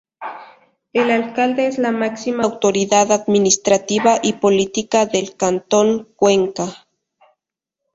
El Alcalde es la máxima autoridad administrativa y política del Cantón Cuenca.